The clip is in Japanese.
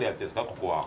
ここは。